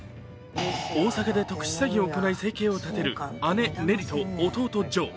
大阪で特殊詐欺を行い、生計を立てる、姉、ネリと弟、ジョー。